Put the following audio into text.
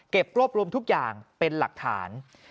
เก็บกรบรวมทุกอย่างเป็นหลักฐาน